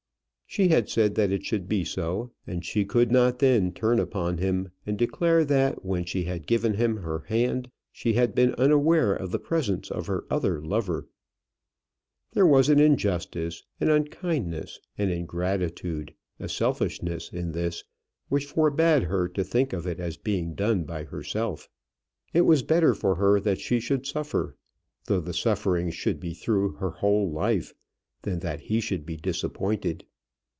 She had said that it should be so, and she could not then turn upon him and declare that when she had given him her hand, she had been unaware of the presence of her other lover. There was an injustice, an unkindness, an ingratitude, a selfishness in this, which forbade her to think of it as being done by herself. It was better for her that she should suffer, though the suffering should be through her whole life, than that he should be disappointed.